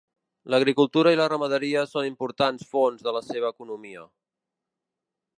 L'agricultura i la ramaderia són importants fonts de la seva economia.